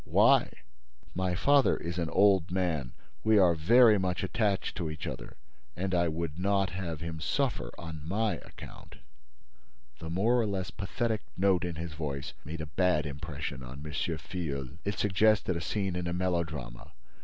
"Why?" "My father is an old man. We are very much attached to each other—and I would not have him suffer on my account." The more or less pathetic note in his voice made a bad impression on M. Filleul. It suggested a scene in a melodrama.